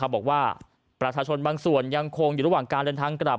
บอกว่าประชาชนบางส่วนยังคงอยู่ระหว่างการเดินทางกลับ